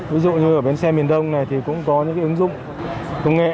ví dụ như ở bến xe miền đông này thì cũng có những ứng dụng công nghệ